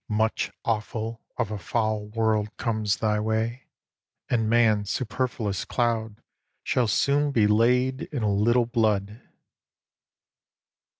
Much offal of a foul world comes thy way, And man's superfluous cloud shall soon be laid In a little blood.